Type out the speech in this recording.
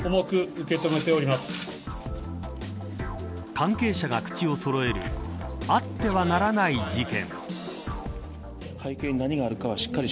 関係者が口をそろえるあってはならない事件。